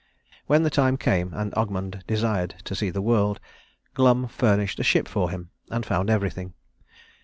When the time came, and Ogmund desired to see the world, Glum furnished a ship for him and found everything.